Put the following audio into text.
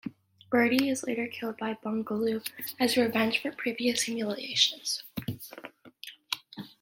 Birdie is later killed by Bugaloo as revenge for previous humiliations.